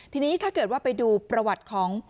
ทีนี้ถ้าเกิดว่าไปดูประวัติของ